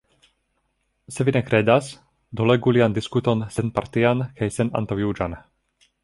Se vi ne kredas, do legu lian diskuton senpartian kaj senantaŭjuĝan.